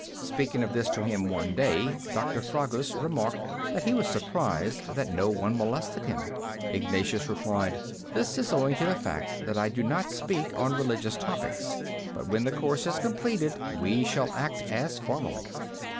Speaking of this to him one day, Doctor Fragus remarked that he was surprised that no one molested him. Ignatius replied: "This is owing to the fact that I do not speak on religious topics. But when the course is completed, we shall act as formerly."